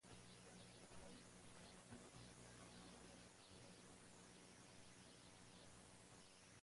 Come, de noche, pescado pequeños, cangrejos, gambas, gusanos, gasterópodos y cefalópodos.